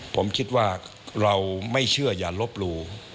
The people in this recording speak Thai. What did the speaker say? ผมคิดว่าเราไม่เชื่ออย่าลบหลู่